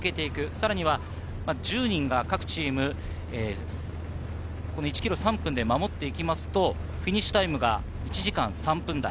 さらには１０人が各チーム１ｋｍ３分で守っていくと、フィニッシュタイムが１時間３分台。